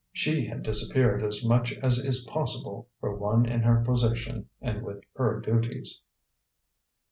She had disappeared as much as is possible for one in her position and with her duties.